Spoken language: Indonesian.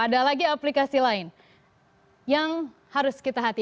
ada lagi aplikasi lain yang harus kita hati